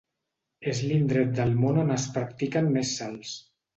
És l’indret del món on es practiquen més salts.